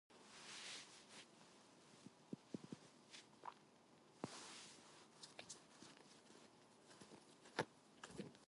A typical early house had no dormers and little or no exterior ornamentation.